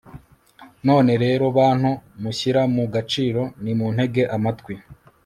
none rero, bantu mushyira mu gaciro, nimuntege amatwi